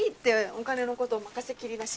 お金のこと任せきりだし